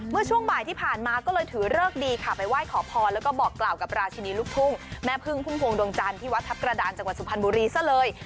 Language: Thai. เมื่อช่วงบ่ายที่ผ่านมาก็เลยถือเลิกดีค่ะไปไหว้ขอพรแล้วก็บอกกล่าวกับราชินีลูกทุ่งแม่พึ่งพุ่มพวงดวงจันทร์ที่วัดทัพกระดานจังหวัดสุพรรณบุรีซะเลย